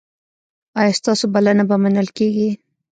ایا ستاسو بلنه به منل کیږي؟